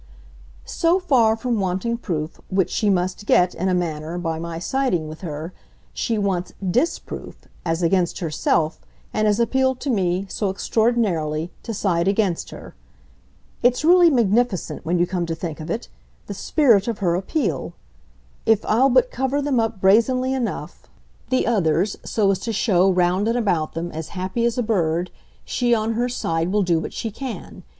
"So far from wanting proof which she must get, in a manner, by my siding with her she wants DISproof, as against herself, and has appealed to me, so extraordinarily, to side against her. It's really magnificent, when you come to think of it, the spirit of her appeal. If I'll but cover them up brazenly enough, the others, so as to show, round and about them, as happy as a bird, she on her side will do what she can.